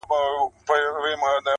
زما دعا به درسره وي زرکلن سې!.